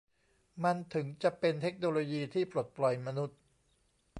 มันถึงจะเป็นเทคโนโลยีที่ปลดปล่อยมนุษย์